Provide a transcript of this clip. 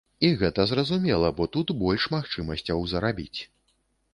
І гэта зразумела, бо тут больш магчымасцяў зарабіць.